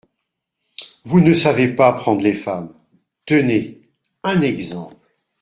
Vous ne savez pas prendre les femmes … Tenez ! un exemple.